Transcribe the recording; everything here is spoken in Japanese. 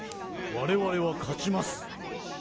われわれは勝ちます。